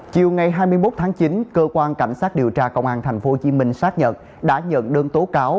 chiều ngày hai mươi một tháng chín cơ quan cảnh sát điều tra công an tp hcm xác nhận đã nhận đơn tố cáo